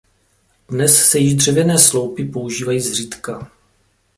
Dnes se již dřevěné sloupy používají zřídka.